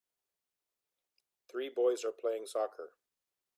Three boys are playing soccer